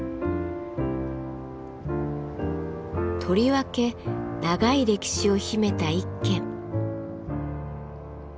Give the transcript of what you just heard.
とりわけ長い歴史を秘めた一軒。